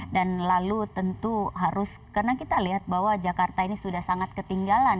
dan lalu tentu harus karena kita lihat bahwa jakarta ini sudah sangat ketinggalan